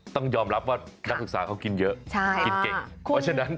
ต้องยอมรับว่านักศึกษาเขากินเยอะกินเก่ง